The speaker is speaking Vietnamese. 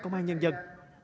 công an nhân dân